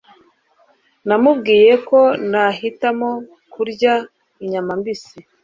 namubwiye ko nahitamo kurya inyama mbisi